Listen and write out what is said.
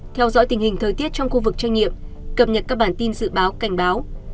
theo dõi tình hình thời tiết trong khu vực trách nhiệm cập nhật các bản tin dự báo cảnh báo